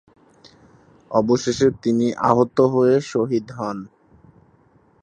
অবশেষে তিনি আহত হয়ে শহীদ হন।